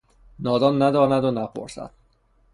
نادان نداند و نپرسد!